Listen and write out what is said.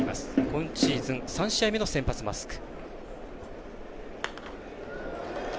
今シーズン、３試合目の先発マスク。